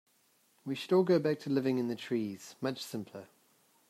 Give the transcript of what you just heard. We should all go back to living in the trees, much simpler.